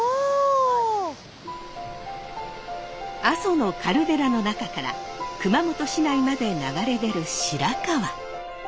阿蘇のカルデラの中から熊本市内まで流れ出る白川。